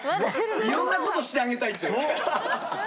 いろんなことしてあげたいっていう。